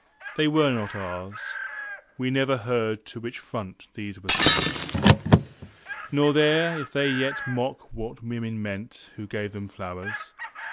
They were not ours: We never heard to which front these were sent. Nor there if they yet mock what women meant Who gave them flowers.